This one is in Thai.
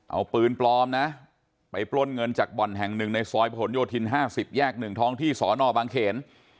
เอาปืนปลอมนะไปปล้นเงินจากบ่อนแห่งหนึ่งในซอยผนโยธิน๕๐แยก๑ท้องที่สอนอบางเขน